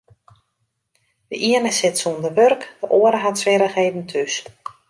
De iene sit sûnder wurk, de oare hat swierrichheden thús.